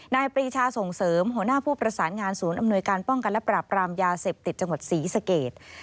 ปรีชาส่งเสริมหัวหน้าผู้ประสานงานศูนย์อำนวยการป้องกันและปราบรามยาเสพติดจังหวัดศรีสเกต